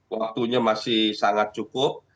waktunya masih sangat cukup